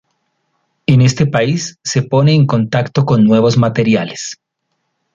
En este país se pone en contacto con nuevos materiales.